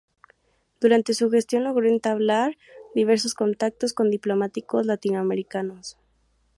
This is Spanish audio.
Durante su gestión, logró entablar diversos contactos con diplomáticos latinoamericanos.